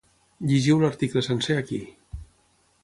Llegiu l’article sencer ací.